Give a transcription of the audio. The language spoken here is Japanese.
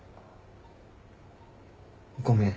ごめん。